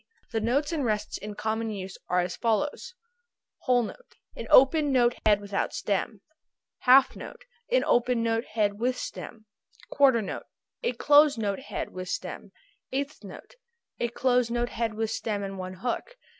The notes and rests in common use are as follows: [symbol] Whole note. An open note head without stem. [symbol] Half note. An open note head with stem. [symbol] Quarter note. A closed note head with stem. [symbol] Eighth note. A closed note head with stem and one hook.